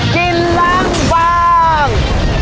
กินล้างบาง